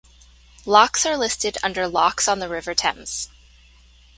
Locks are listed under Locks on the River Thames.